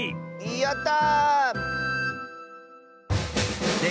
やった！